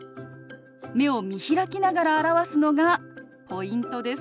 目を見開きながら表すのがポイントです。